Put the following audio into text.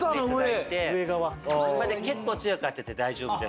結構強く当てて大丈夫です。